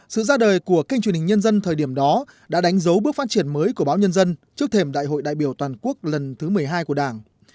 sự ra đời của kênh truyền hình nhân dân thời điểm đó đã đánh dấu bước phát triển mới của báo nhân dân trước thềm đại hội đại biểu toàn quốc lần thứ một mươi hai của đảng